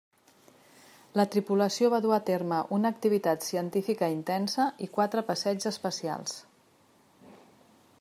La tripulació va dur a terme una activitat científica intensa i quatre passeigs espacials.